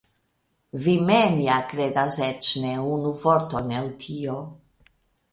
Vi mem ja kredas eĉ ne unu vorton el tio.